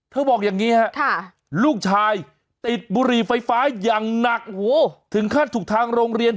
บอกอย่างนี้ฮะลูกชายติดบุหรี่ไฟฟ้าอย่างหนักถึงขั้นถูกทางโรงเรียน